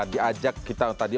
diajak kita tadi